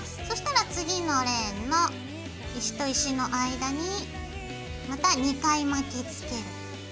そしたら次のレーンの石と石の間にまた２回巻きつける。